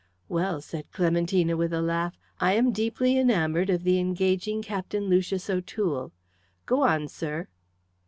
"Well," said Clementina, with a laugh, "I am deeply enamoured of the engaging Captain Lucius O'Toole. Go on, sir."